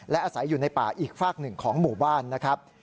และอาศัยอยู่ในป่าอีกฝากหนึ่งของหมู่บ้านนะครับ